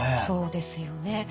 そうですよね。